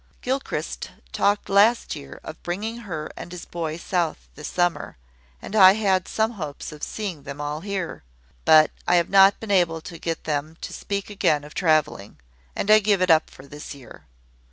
Gilchrist talked last year of bringing her and his boy south this summer, and I had some hopes of seeing them all here: but I have not been able to get them to speak again of travelling, and I give it up for this year.